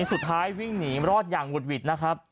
สุดท้ายวิ่งหนีรอดอย่างหุดหวิดนะครับ